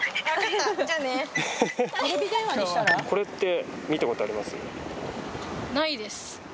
これって見た事あります？